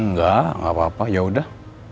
enggak enggak apa apa yaudah